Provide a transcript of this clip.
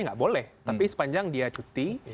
nggak boleh tapi sepanjang dia cuti